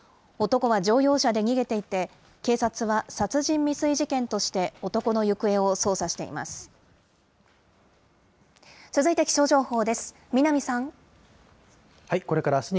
男は乗用車で逃げていて、警察は殺人未遂事件として男の行方を捜査しています。